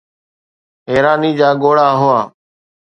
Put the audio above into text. حيراني جا ڳوڙها هئا